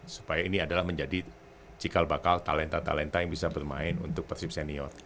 supaya ini adalah menjadi cikal bakal talenta talenta yang bisa bermain untuk persib senior